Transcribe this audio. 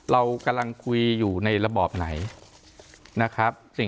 เรากำลังคุยอยู่ในระบอบไหนนะครับ